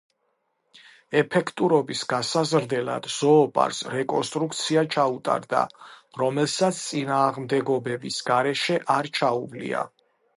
ეფექტურობის გასაზრდელად ზოოპარკს რეკონსტრუქცია ჩაუტარდა, რომელსაც წინააღმდეგობების გარეშე არ ჩაუვლია.